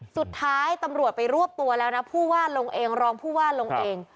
สุดท้ายตำรวจไปรวบตัวแล้วนะผู้ว่าลงเองรองผู้ว่าลงเอง